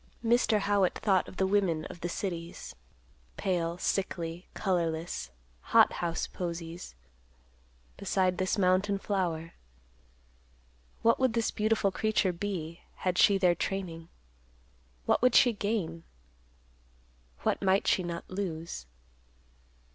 Mr. Howitt thought of the women of the cities, pale, sickly, colorless, hot house posies, beside this mountain flower. What would this beautiful creature be, had she their training? What would she gain? What might she not lose?